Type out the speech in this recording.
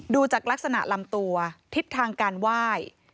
ดูจากลักษณะลำตัวทิศทางการไหว้